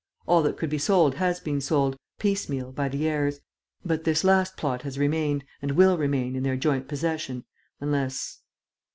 All that could be sold has been sold, piecemeal, by the heirs. But this last plot has remained and will remain in their joint possession ... unless...."